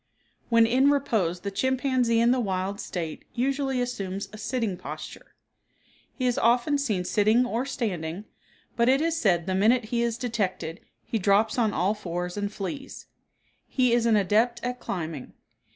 When in repose the chimpanzee in the wild state usually assumes a sitting posture. He is often seen sitting or standing, but it is said the minute he is detected he drops on all fours and flees. He is an adept at climbing.